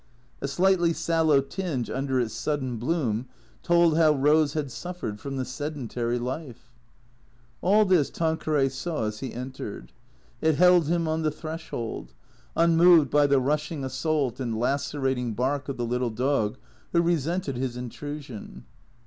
A slightly sallow tinge under its sud den bloom told how Eose had suffered from the sendentary life. All this Tanqueray saw as he entered. It held him on the threshold, unmoved by the rushing assault and lacerating bark of the little dog, who resented his intrusion.